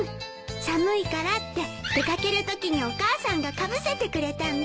寒いからって出掛けるときにお母さんがかぶせてくれたんだ。